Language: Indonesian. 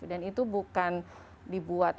dan itu bukan dibuat